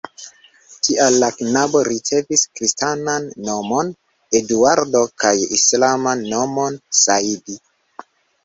Tial la knabo ricevis kristanan nomon (Eduardo) kaj islaman nomon (Saidi).